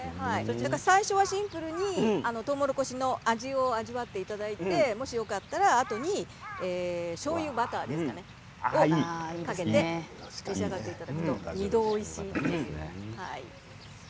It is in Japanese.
最初はシンプルにとうもろこしの味を味わっていただいてもしよかったら、あとでしょうゆやバターをかけて食べると２度おいしいですね。